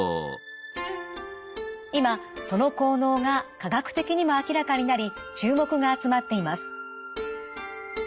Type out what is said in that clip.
今その効能が科学的にも明らかになり注目が集まっています。